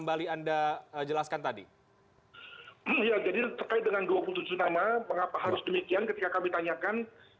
tadi ya jadi terkait dengan dua puluh tujuh nama mengapa harus demikian ketika kami tanyakan